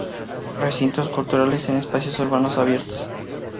Recintos culturales en espacios urbanos abiertos.